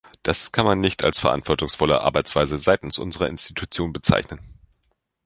Das kann man nicht als verantwortungsvolle Arbeitsweise seitens unserer Institutionen bezeichnen.